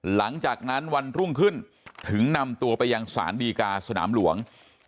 หลังจากนั้นวันรุ่งขึ้นถึงนำตัวไปยังศาลดีกาสนามหลวง